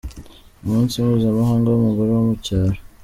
Umunsi mpuzamahanga w'umugore wo mu cyaro.